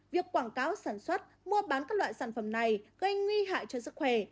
việc quảng cáo sản xuất mua bán các loại sản phẩm này gây nguy hại cho sức khỏe